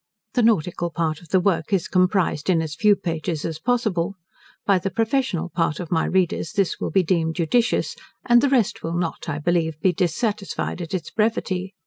The nautical part of the work is comprized in as few pages as possible. By the professional part of my readers this will be deemed judicious; and the rest will not, I believe, be dissatisfied at its brevity.